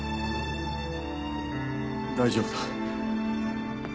大丈夫だ。